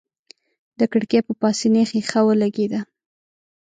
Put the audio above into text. د کړکۍ په پاسنۍ ښيښه ولګېد.